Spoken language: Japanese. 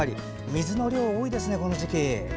水の量多いですね、この時期。